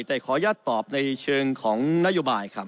แต่ขออนุญาตตอบในเชิงของนโยบายครับ